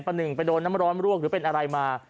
หนึ่งไปโดนน้ำร้อนรวกหรือเป็นอะไรมา